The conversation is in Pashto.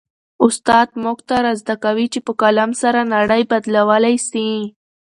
استاد موږ ته را زده کوي چي په قلم سره نړۍ بدلولای سي.